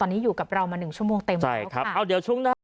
ตอนนี้อยู่กับเรามา๑ชั่วโมงเต็มแล้วค่ะ